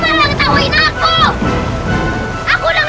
nih mau ikan naik naik naik ikannya tuh